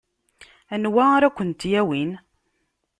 Anwa ara kent-yawin?